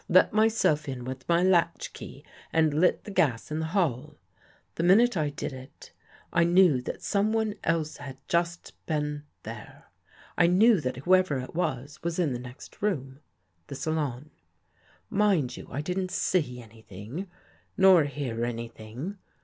Let myself in with my latchkey and lit the gas in the hall. The minute I did it, I knew that someone else had just been there. I knew that whoever it was, was in the next room — the salon. Mind you, I didn't see anything nor hear anything.